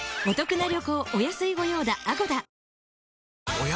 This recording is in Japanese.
おや？